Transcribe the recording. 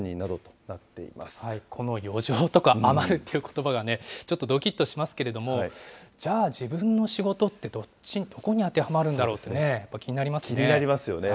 この余剰とか、余るっていうことばがね、ちょっとどきっとしますけれども、じゃ、自分の仕事ってどっち、どこに当てはまるんだろうと、気になりますよね。